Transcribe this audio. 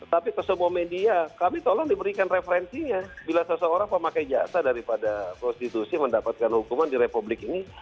tapi ke semua media kami tolong diberikan referensinya bila seseorang pemakai jasa daripada prostitusi mendapatkan hukuman di republik ini